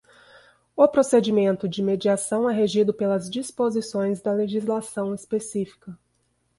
O procedimento de mediação é regido pelas disposições da legislação específica.